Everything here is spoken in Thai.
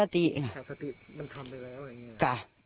มันทำไปแล้วอย่างนี้